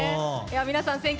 皆さん、選曲